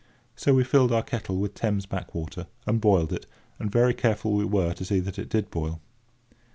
So we filled our kettle with Thames backwater, and boiled it; and very careful we were to see that it did boil.